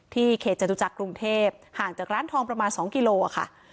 เขตจตุจักรกรุงเทพห่างจากร้านทองประมาณ๒กิโลค่ะ